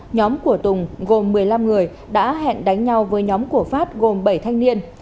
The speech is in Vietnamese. nhóm của tùng gồm một mươi năm người đã hẹn đánh nhau với nhóm của phát gồm bảy thanh niên